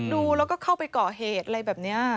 ดูแล้วก็เข้าไปก่อเหตุอะไรแบบนี้